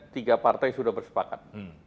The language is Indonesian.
tiga partai sudah bersepakat